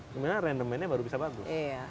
sebenarnya random man nya baru bisa bagus